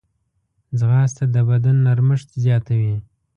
ځغاسته د بدن نرمښت زیاتوي